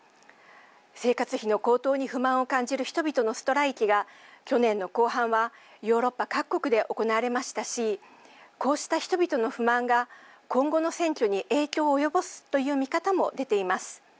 生活費の高騰に不満を感じる人々のストライキが去年の後半はヨーロッパ各国で行われましたしこうした人々の不満が今後の選挙に影響を及ぼすという見方も出ています。